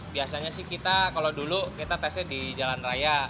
biasanya sih kita kalau dulu kita tesnya di jalan raya